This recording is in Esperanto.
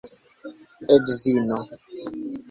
Edzino?